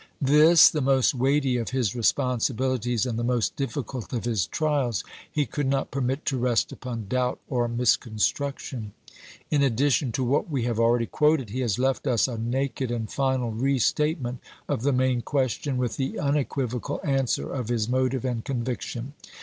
This, the most weighty of his responsibilities and the most difficult of his trials, he could not permit to rest upon doubt or misconstruction. In addition to what we have already quoted he has left us a naked and final restatement of the main question, with the unequivocal answer of his motive and conviction.